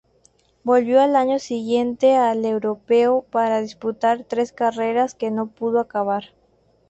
Volvió al año siguiente al Europeo para disputar tres carreras, que no pudo acabar.